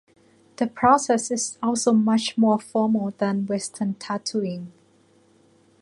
The process is also much more formal than western tattooing.